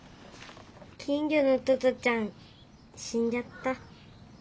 金魚のトトちゃんしんじゃった。